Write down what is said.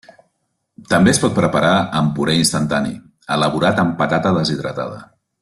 També es pot preparar amb puré instantani, elaborat amb patata deshidratada.